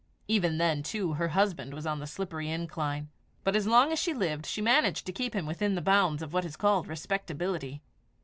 Even then, too, her husband was on the slippery incline; but as long as she lived, she managed to keep him within the bounds of what is called respectability.